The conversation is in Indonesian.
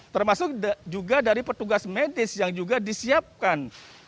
termasuk juga dari petugas medis yang juga disiapkan